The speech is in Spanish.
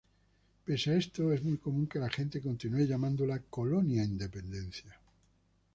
Pese a esto, es muy común que la gente continúe llamándola "Colonia Independencia".